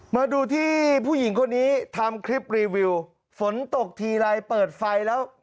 มาดูที่ผู้หญิงคนนี้ทำคลิปรีวิวฝนตกทีไรเปิดไฟแล้ว